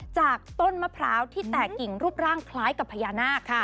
จากต้นมะพร้าวที่แตกกิ่งรูปร่างคล้ายกับพญานาค